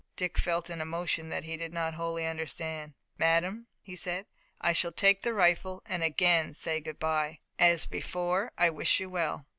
Dick felt an emotion that he did not wholly understand. "Madame," he said, "I shall take the rifle, and again say good by. As before, I wish you well."